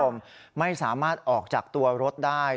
ไม่สามารถออกจากตัวรถได้